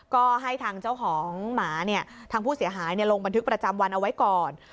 ก็ให้ทางเจ้าของหมาเนี่ยทางผู้เสียหายลงบันทึกประจำวันเอาไว้ก่อน